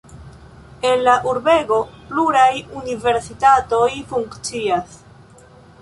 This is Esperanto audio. En la urbego pluraj universitatoj funkcias.